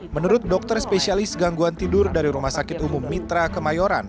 menurut dokter spesialis gangguan tidur dari rumah sakit umum mitra kemayoran